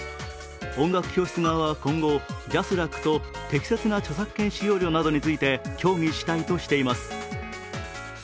音楽教室側は今後、ＪＡＳＲＡＣの適切な著作権使用料などについて協議したいとしています。